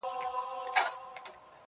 خپه وې چي وړې ، وړې ،وړې د فريادي وې.